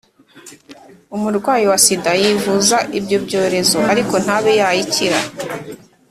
umurwayi wa sida yivuza ibyo byorezo ariko ntabe yayikira